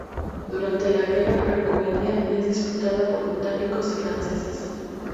Durante la Guerra franco-india es disputada por británicos y franceses.